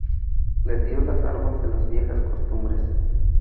Les dio las armas de las viejas costumbres.